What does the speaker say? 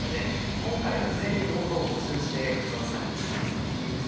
今回は事前に動画を募集してＫＡＴＳＵ１さんに先にですね